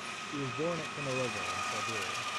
She was born at Kemerovo, in Siberia.